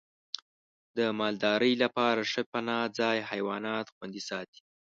د مالدارۍ لپاره ښه پناه ځای حیوانات خوندي ساتي.